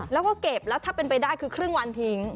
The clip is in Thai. แล้วก็เก็บแล้วถ้าเป็นไปได้คือครึ่งวันทิ้ง